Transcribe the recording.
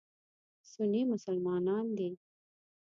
سني مسلمانان دي.